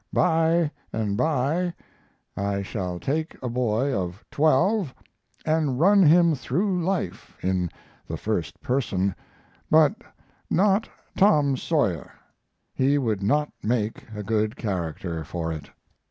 "By and by I shall take a boy of twelve and run him through life (in the first person), but not Tam Sawyer, he would not make a good character for it."